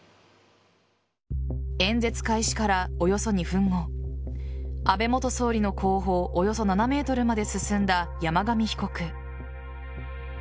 演説開始から、およそ２分後安倍元総理の後方およそ７ｍまで進んだ山上被告。